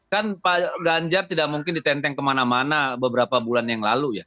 kan pak ganjar tidak mungkin ditenteng kemana mana beberapa bulan yang lalu ya